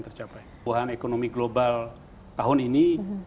tercapai wahan ekonomi global tahun ini